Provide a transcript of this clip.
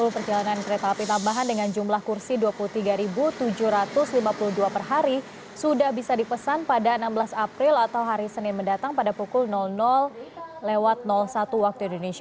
sepuluh perjalanan kereta api tambahan dengan jumlah kursi dua puluh tiga tujuh ratus lima puluh dua per hari sudah bisa dipesan pada enam belas april atau hari senin mendatang pada pukul satu waktu indonesia